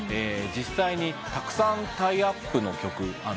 実際にたくさんタイアップの曲。